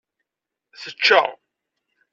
Tečča.